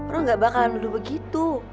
lo gak bakalan nuduh begitu